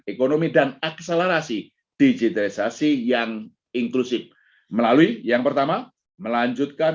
ekonomi dan akselerasi digitalisasi yang inklusif melalui yang pertama melanjutkan